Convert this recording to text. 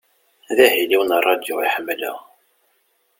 D ahil-iw n ṛadyu i ḥemleɣ.